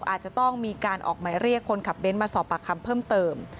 อาจจะต้องมีการออกหมายเรียกคนขับเบ้นมาสอบปากคำเพิ่มเติม